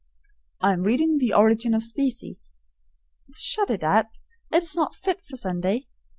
"I am reading the `Origin of Species.'" "Shut it up; it's not fit for Sunday.